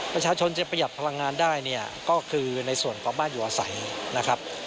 ประชาชนจะประหยัดพลังงานได้ก็คือในส่วนกรอบบ้านอยู่อาศัย